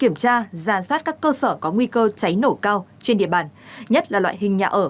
phát các cơ sở có nguy cơ cháy nổ cao trên địa bàn nhất là loại hình nhà ở